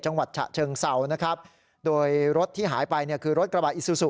จังหวัดฉะเชิงเศร้านะครับโดยรถที่หายไปเนี่ยคือรถกระบะอิซูซู